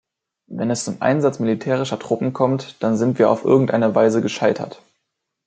Wenn es zum Einsatz militärischer Truppen kommt, dann sind wir auf irgendeine Weise gescheitert.